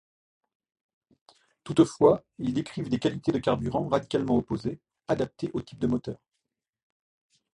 Toutefois, ils décrivent des qualités de carburant radicalement opposées, adaptées au type de moteur.